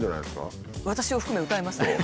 私を含め歌いますね。